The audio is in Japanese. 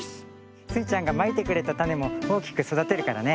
スイちゃんがまいてくれたたねもおおきくそだてるからね。